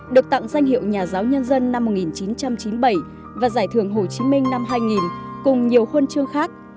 được tặng danh hiệu nhà giáo nhân dân năm một nghìn chín trăm chín mươi bảy và giải thưởng hồ chí minh năm hai nghìn cùng nhiều huân chương khác